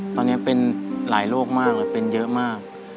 ตอนนี้เป็นหลายโรคมากเลยเป็นเยอะมาก